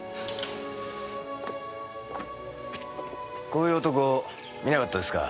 こういう男見なかったですか？